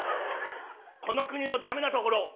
「この国のダメなところ。